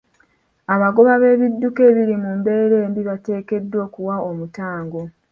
Abagoba b'ebidduka ebiri mu mbeera embi bateekeddwa okuwa omutango.